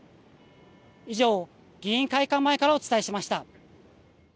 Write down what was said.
以上、議員会館前からお伝えしました。